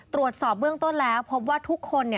ตรวจสอบเบื้องต้นแล้วพบว่าทุกคน